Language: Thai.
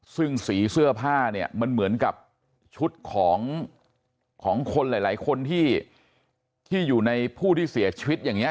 ซึ่งสีเสื้อผ้าเนี่ยมันเหมือนกับชุดของคนหลายคนที่อยู่ในผู้ที่เสียชีวิตอย่างนี้